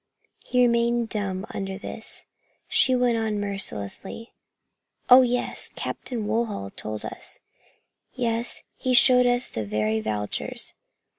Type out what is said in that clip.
He remained dumb under this. She went on mercilessly. "Oh, yes, Captain Woodhull told us. Yes, he showed us the very vouchers.